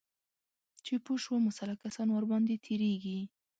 چې پوه شو مسلح کسان ورباندې تیریږي